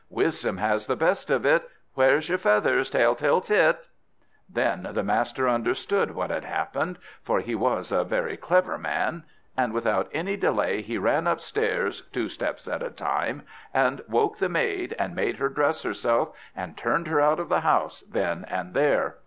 Wisdom has the best of it: Where's your feathers, Tell tale tit?" Then the master understood what had happened, for he was a very clever man; and without any delay he ran upstairs two steps at a time, and woke the maid, and made her dress herself, and turned her out of the house then and there.